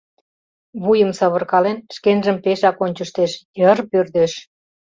Вуйым савыркален, шкенжым пешак ончыштеш, йыр пӧрдеш.